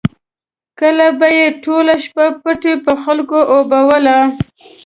کله به یې ټوله شپه پټي په خلکو اوبول.